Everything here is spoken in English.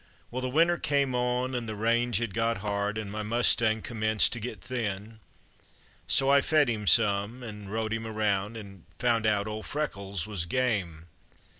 Well, the winter came on an' the range it got hard, an' my mustang commenced to get thin, So I fed him some an' rode him around, an' found out old Freckles was game.